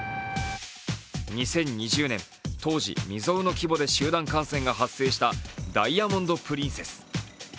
２０２０年、当時、未曾有の規模で集団感染が発生した「ダイヤモンド・プリンセス」。